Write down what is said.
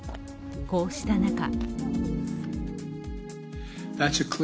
こうした中